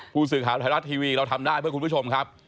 ผู้สื่อข่าวไทยรัฐทีวีเราทำได้เพื่อคุณผู้ชมครับ